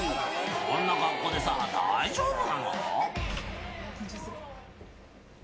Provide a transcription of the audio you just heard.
こんな格好でさあ、大丈夫なの？